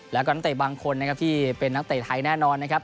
แล้วก็นักเตะบางคนนะครับที่เป็นนักเตะไทยแน่นอนนะครับ